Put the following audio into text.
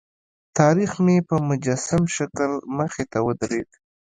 تاریخ مې په مجسم شکل مخې ته ودرېد.